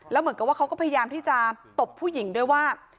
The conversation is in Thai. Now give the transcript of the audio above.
แล้วเหมือนกับว่าเขาก็พยายามที่จะตบผู้หญิงด้วยว่า